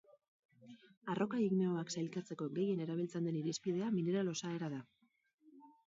Arroka igneoak sailkatzeko gehien erabiltzen den irizpidea mineral-osaera da.